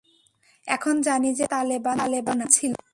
এখন জানি যে তারা তালেবান ছিলো না।